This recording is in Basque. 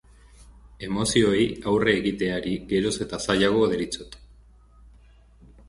Emozioei aurre egiteari geroz eta zailago deritzot.